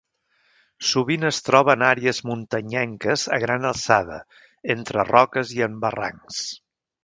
Sovint es troba en àrees muntanyenques a gran alçada, entre roques i en barrancs.